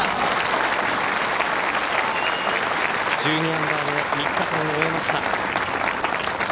１２アンダーで３日間を終えました。